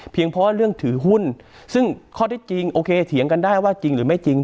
เพราะเรื่องถือหุ้นซึ่งข้อที่จริงโอเคเถียงกันได้ว่าจริงหรือไม่จริง